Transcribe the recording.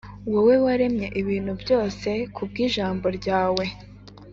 wowe waremye ibintu byose ku bw’ijambo ryawe,